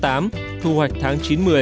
thu hoạch tháng chín mươi